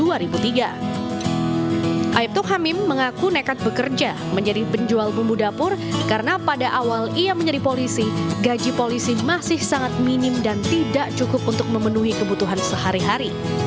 aibtuk hamim mengaku nekat bekerja menjadi penjual bumbu dapur karena pada awal ia menjadi polisi gaji polisi masih sangat minim dan tidak cukup untuk memenuhi kebutuhan sehari hari